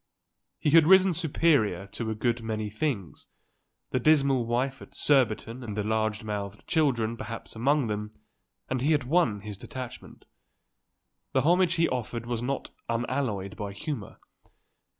He had risen superior to a good many things, the dismal wife at Surbiton and the large mouthed children perhaps among them, and he had won his detachment. The homage he offered was not unalloyed by humour.